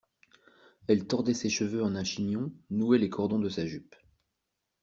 Elle tordait ses cheveux en un chignon, nouait les cordons de sa jupe.